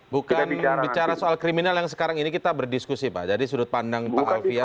bukan bicara soal kriminal yang sekarang ini kita berdiskusi pak jadi sudut pandang pak alfian